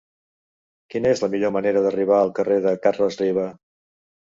Quina és la millor manera d'arribar al carrer de Carles Riba?